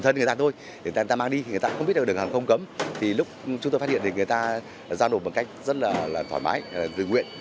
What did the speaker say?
thân người ta thôi người ta mang đi người ta cũng không biết được đường hàng không cấm thì lúc chúng tôi phát hiện thì người ta giao nộp bằng cách rất là thoải mái dự nguyện